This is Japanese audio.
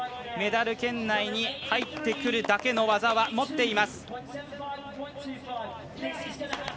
メダル圏内に入ってくるだけの技は持っています。